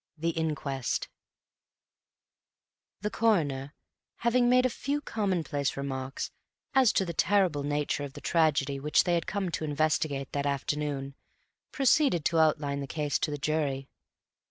The Inquest The Coroner, having made a few commonplace remarks as to the terrible nature of the tragedy which they had come to investigate that afternoon, proceeded to outline the case to the jury.